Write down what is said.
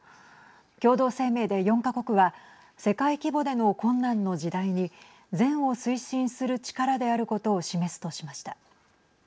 共同声明で、４か国は世界規模での困難の時代に善を推進する力であることを示すとしました。